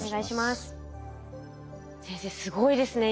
すごいですね